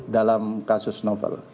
dalam kasus novel